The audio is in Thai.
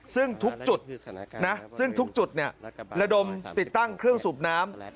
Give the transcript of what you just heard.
ซึ่งทุกจุดซึ่งทุกจุดระดมติดตั้งเครื่องสูบน้ำ